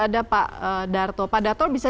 ada pak darto pak darto bisa